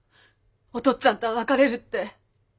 お父っつぁんとは別れるって。